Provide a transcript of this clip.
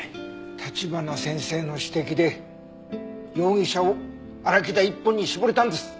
橘先生の指摘で容疑者を荒木田一本に絞れたんです。